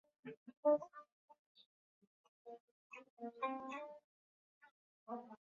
双方在战役中于每一个章节中交替扮演幸存者和感染者。